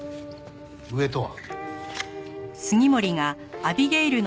上とは？